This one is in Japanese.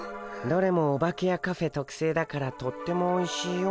どれもオバケやカフェとくせいだからとってもおいしいよ。